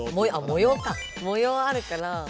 模様あるから。